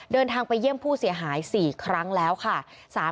เดินทางไปเยี่ยมผู้เสียหาย๔ครั้งแล้วค่ะ